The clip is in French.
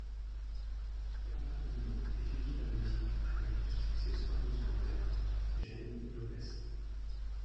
Bernardino étudie la musique avec le successeur de son père, Jayme Lopez.